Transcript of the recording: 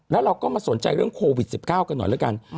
แล้วเราก็มาสนใจเรื่องโควิด๑๙กันหน่อยแล้วกัน